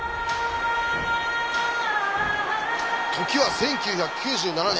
時は１９９７年。